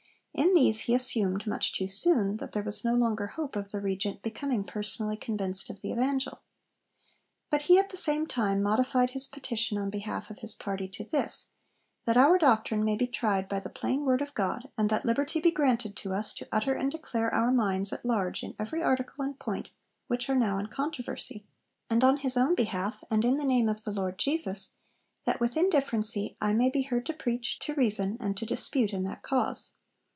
In these he assumed much too soon that there was no longer hope of the Regent becoming personally convinced of the Evangel. But he at the same time modified his 'Petition' on behalf of his party to this, 'that our doctrine may be tried by the plain word of God, and that liberty be granted to us to utter and declare our minds at large in every article and point which are now in controversy'; and on his own behalf and 'in the name of the Lord Jesus, that with indifferency I may be heard to preach, to reason, and to dispute in that cause.'